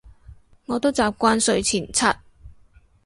我都習慣睡前刷